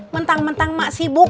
mentang mentang ma sibuk